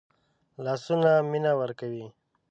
لاسونه مینه ورکوي